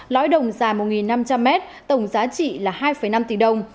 lõi đồng dài một năm trăm linh m tổng giá trị là hai năm tỷ đồng